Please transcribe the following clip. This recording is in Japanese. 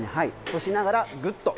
押しながらグッと。